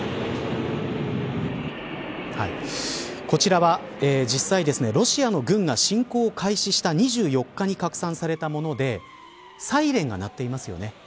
こちらは実際ロシアの軍が侵攻を開始した２４日に拡散されたものでサイレンが鳴っていますよね。